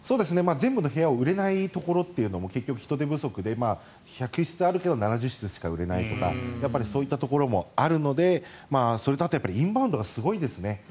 全部の部屋を売れないところというのも結局、人手不足で１００室あるけれど７０室しか売れないとかそういうところもあるのでそれとインバウンドがすごいですね。